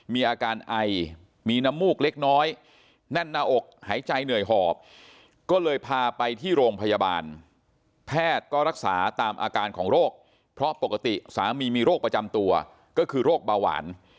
มีอาการไอมีน้ำมูกเล็กน้อยแน่นหน้าอกหายใจเหนื่อยหอบก็เลยพาไปที่โรงพยาบาลแพทย์ก็รักษาตามอาการของโรคเพราะปกติสามีมีโรคประจำตัวก็คือโรคเบาหวาน